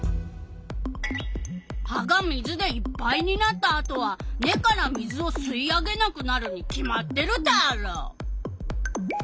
葉が水でいっぱいになったあとは根から水を吸い上げなくなるに決まってるダーロ！